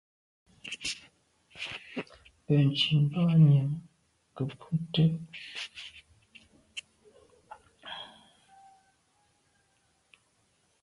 Benntùn boa nyàm nke mbùnte.